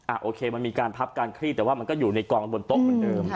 โอเคมันมีการพับการคลี่แต่ว่ามันก็อยู่ในกองบนโต๊ะเหมือนเดิม